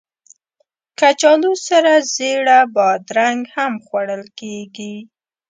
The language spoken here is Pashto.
کچالو سره زېړه بادرنګ هم خوړل کېږي